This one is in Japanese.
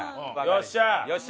よっしゃー！